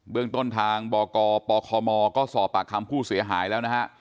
เรื่องต้นทางบกปคมก็สอบปากคำผู้เสียหายแล้วนะฮะ